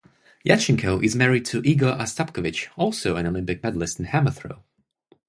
Yatchenko is married to Igor Astapkovich, also an Olympic medalist in hammer throw.